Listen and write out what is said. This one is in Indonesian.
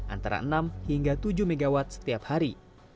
antara enam hingga tujuh mw setiap hari